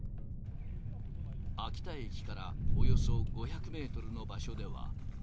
秋田駅からおよそ５００メートルの場所では。